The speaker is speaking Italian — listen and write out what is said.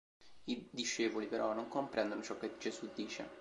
I discepoli però non comprendono ciò che Gesù dice.